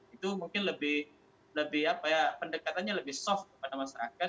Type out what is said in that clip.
itu mungkin lebih pendekatannya lebih soft kepada masyarakat